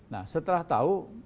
nah setelah tahu